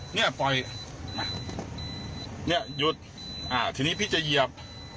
เนี่ยปล่อยมาเนี่ยหยุดอ่าทีนี้พี่จะเหยียบ